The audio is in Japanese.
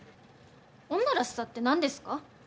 女らしさって何ですか？